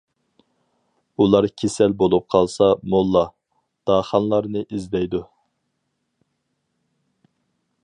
ئۇلار كېسەل بولۇپ قالسا، موللا، داخانلارنى ئىزدەيدۇ.